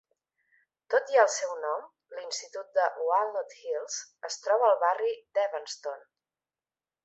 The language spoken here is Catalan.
Tot i el seu nom, l'Institut de Walnut Hills es troba al barri d'Evanston.